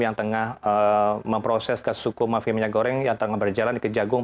yang tengah memproses kasus hukum mafia minyak goreng yang tengah berjalan di kejagung